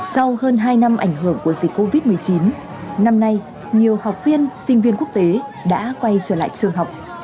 sau hơn hai năm ảnh hưởng của dịch covid một mươi chín năm nay nhiều học viên sinh viên quốc tế đã quay trở lại trường học